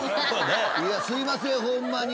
すいませんホンマに。